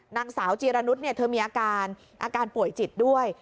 นางสาวเจียระนุษย์นี่เธอมีอาการป่วยจิตด้วย